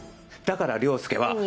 だから凌介は。